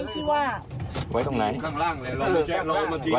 ค่ะกลัว